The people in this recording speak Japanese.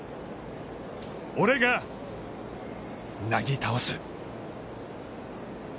俺が、なぎ倒す。